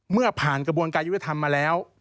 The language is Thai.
เมื่อผ่านกระบวนการยุทธธรรมมาแล้ว